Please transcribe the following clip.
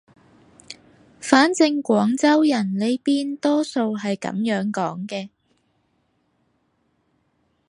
反正廣州人呢邊多數係噉樣講嘅